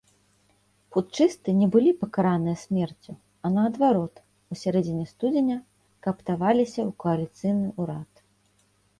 Путчысты не былі пакараныя смерцю, а, наадварот, у сярэдзіне студзеня кааптаваліся ў кааліцыйны ўрад.